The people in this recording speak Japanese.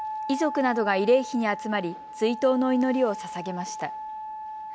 遺族などが慰霊碑に集まり追悼の祈りをささげました。